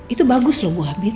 itu bagus loh buah bit